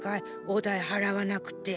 お代払わなくて。